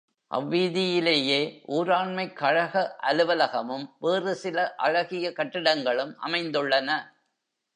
அவ் வீதியிலேயே ஊராண்மைக் கழக அலுவலகமும், வேறு சில அழகிய கட்டிடங்களும் அமைந்துள்ளன.